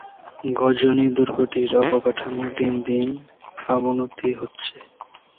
গজনী দুর্গটির অবকাঠামো দিন দিন অবনতি হচ্ছে।